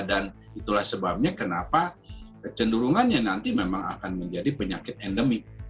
dan itulah sebabnya kenapa kecenderungannya nanti memang akan menjadi penyakit endemik